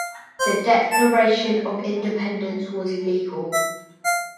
The declaration of independence was legal.